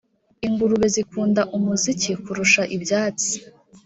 Ingurube zikunda umuziki kurusha ibyatsi